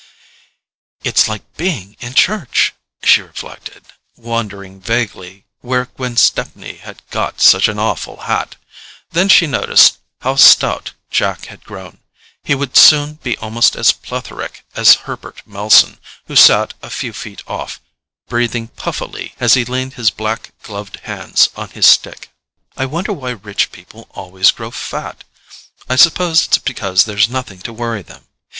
"It's like being in church," she reflected, wondering vaguely where Gwen Stepney had got such an awful hat. Then she noticed how stout Jack had grown—he would soon be almost as plethoric as Herbert Melson, who sat a few feet off, breathing puffily as he leaned his black gloved hands on his stick. "I wonder why rich people always grow fat—I suppose it's because there's nothing to worry them.